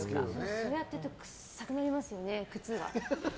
そうやってると臭くなりますよね、靴が。